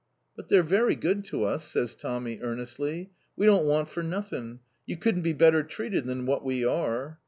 "But they're very good to us," says Tommy earnestly. "We don't want for nothin'. You couldn't be better treated than what we are!"